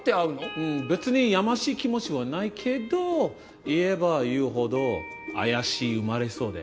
うん別にやましい気持ちはないけど言えば言うほど怪しまれそうで。